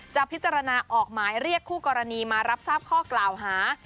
จะพิจารณาออกหมายเรียกคู่กรณีมารับทราบข้อกล่าวหา